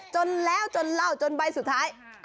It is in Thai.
จนแล้วจนเล่าจนใบสุดท้าย